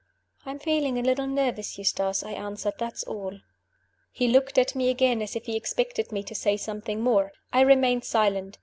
"I am feeling a little nervous, Eustace," I answered; "that is all." He looked at me again, as if he expected me to say something more. I remained silent.